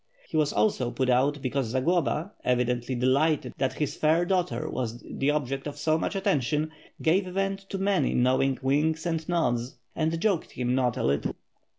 He was also put out beca ise Zagloba, evidently delighted that his fair daughter was the object of so much attention, gave vent to many knowing winks and nods, and joked him not a little.